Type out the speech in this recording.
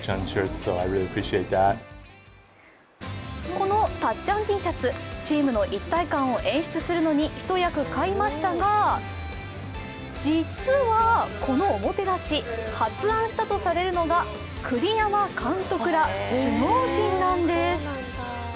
このたっちゃんＴシャツチームの一体感を演出するのに一役買いましたが実はこのおもてなし発案したとされるのが栗山監督ら首脳陣なんです。